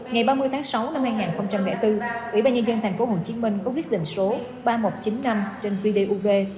ngày ba mươi tháng sáu năm hai nghìn bốn ủy ban nhân dân tp hcm có quyết định số ba nghìn một trăm chín mươi năm trên vdub